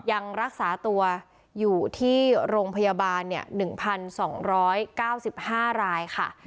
ยังรักษาตัวอยู่ที่โรงพยาบาล๑๒๙๕รายค่ะ